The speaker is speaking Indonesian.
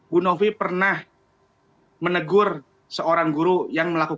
bu novi pernah menegur seorang guru yang melakukan